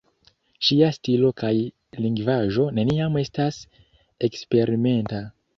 Ŝia stilo kaj lingvaĵo neniam estas eksperimenta.